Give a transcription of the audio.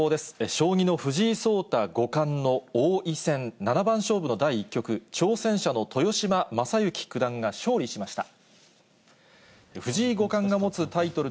将棋の藤井聡太五冠の王位戦七番勝負の第１局、挑戦者の豊島将之九段が勝利しました。